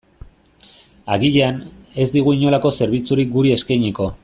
Agian, ez digu inolako zerbitzurik guri eskainiko.